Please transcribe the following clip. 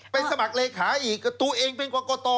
สมัครเลขาอีกตัวเองเป็นกรกต